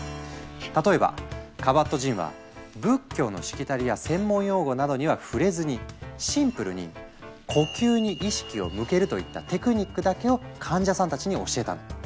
例えばカバットジンは仏教のしきたりや専門用語などには触れずにシンプルに「呼吸に意識を向ける」といった「テクニック」だけを患者さんたちに教えたの。